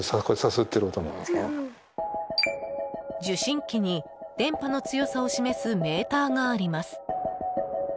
受信機に電波の強さを示すメーターがあります。